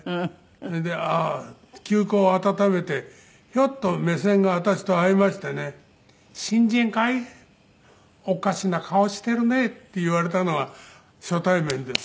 それで旧交を温めてひょっと目線が私と合いましてね「新人かい？おかしな顔してるね」って言われたのが初対面です。